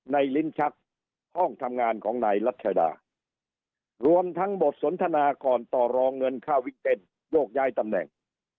ลิ้นชักห้องทำงานของนายรัชดารวมทั้งบทสนทนาก่อนต่อรองเงินค่าวิกเต้นโยกย้ายตำแหน่ง